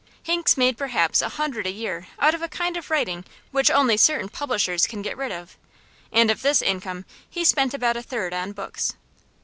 Hinks made perhaps a hundred a year out of a kind of writing which only certain publishers can get rid of and of this income he spent about a third on books.